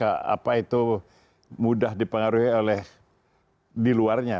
apa itu mudah dipengaruhi oleh di luarnya